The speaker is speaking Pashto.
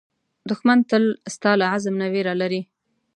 دښمن تل ستا له عزم نه وېره لري